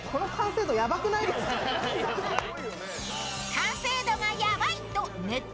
完成度がヤバいとネット